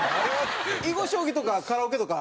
囲碁将棋とかカラオケとか。